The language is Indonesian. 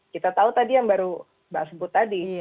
kita tahu tadi yang baru mbak sebut tadi